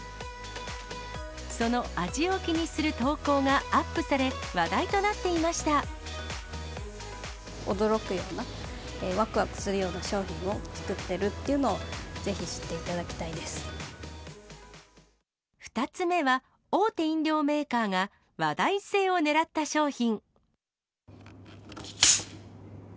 その味を気にする投稿がアッ驚くような、わくわくするような商品を作っているっていうのを、ぜひ知ってい２つ目は、大手飲料メーカーが話題性を狙った商品。